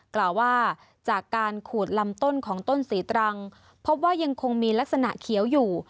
กล่าวว่าจากการขูดลำต้นของต้นศรีตรังพบว่ายังคงมีลักษณะเขียวอยู่